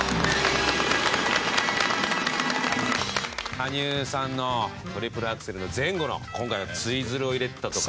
羽生さんのトリプルアクセルの前後の今回はツイズルを入れてたとか。